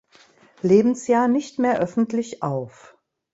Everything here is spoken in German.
Lebensjahr nicht mehr öffentlich auf.